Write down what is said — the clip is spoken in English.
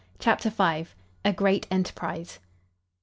CHAPTER V. A GREAT ENTERPRISE.